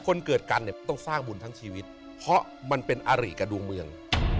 คนเกิดกันเนี่ยต้องสร้างบุญทั้งชีวิตเพราะมันเป็นอาริกับดวงเมือง